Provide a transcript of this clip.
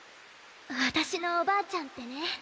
私のおばあちゃんってね